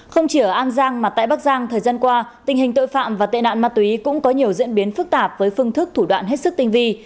không chỉ ở an giang mà tại bắc giang thời gian qua tình hình tội phạm và tệ nạn ma túy cũng có nhiều diễn biến phức tạp với phương thức thủ đoạn hết sức tinh vi